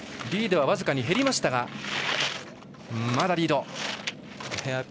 リードは僅かに減りましたがまだリード。